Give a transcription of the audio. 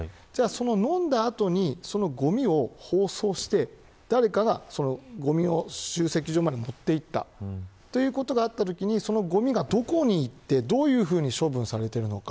飲んだ後に、そのごみを包装して誰かが集積所まで持っていったということがあったときそのごみがどこに行って、どういうふうに処分されたのか。